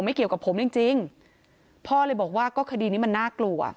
เกี่ยวกับผมจริงจริงพ่อเลยบอกว่าก็คดีนี้มันน่ากลัว